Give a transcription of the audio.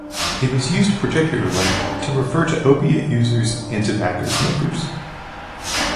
It is used particularly to refer to opiate users and tobacco smokers.